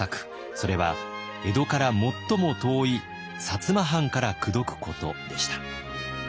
それは江戸から最も遠い摩藩から口説くことでした。